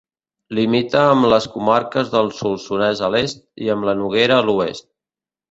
Limita amb les comarques del Solsonès a l'est i amb la Noguera a l'oest.